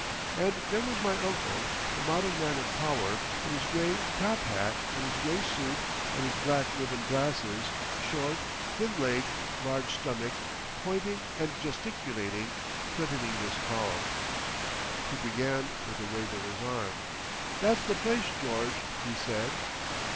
And there was my uncle, the modern man of power, in his grey top hat and his grey suit and his black ribboned glasses, short, thin legged, large stomached, pointing and gesticulating, threatening this calm. He began with a wave of his arm. "That's the place, George," he said.